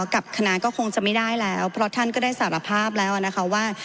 กับคณะก็คงจะไม่ได้แล้วเพราะท่านก็ได้สารภาพแล้วนะคะว่า